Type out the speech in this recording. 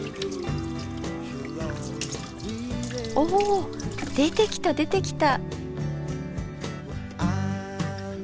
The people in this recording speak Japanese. お出てきた出てきた。